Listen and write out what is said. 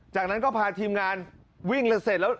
จากนั้นก็พาทีมงานวิ่งเลยเสร็จแล้ว